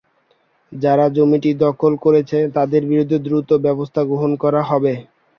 যারা জমিটি দখল করেছে, তাদের বিরুদ্ধে দ্রুত ব্যবস্থা গ্রহণ করা হবে।